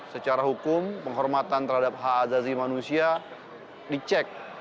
secara hukum penghormatan terhadap hak azazi manusia dicek